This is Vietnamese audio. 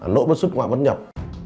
nỗi bất xúc ngoại vấn nhập